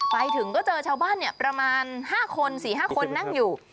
ไปถึงก็เจอชาวบ้านประมาณ๕คน๔๕คนนั่งอยู่